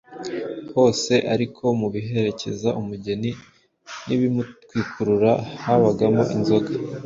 Hose ariko mu biherekeza umugeni n’ibimutwikurura habagamo inzoga